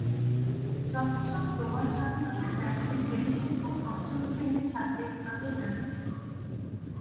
যথাযথ প্রমাণ সাপেক্ষে ব্যাগটি শ্রেণিশিক্ষক অষ্টম শ্রেণীর ছাত্রী ইপাকে ফেরত দিল।